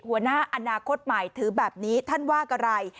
หัวหน้าอนาคตใหม่ถือแบบนี้ท่านว่าอะไร